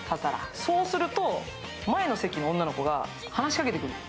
そうすると、前の席の女の子が話しかけてくる。